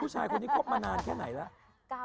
ผู้ชายคนนี้คบมานานแค่ไหนแล้ว